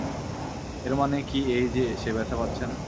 এর মানে কি এই যে, সে ব্যথা পাচ্ছে না?